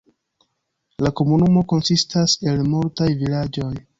La komunumo konsistas el multaj vilaĝoj.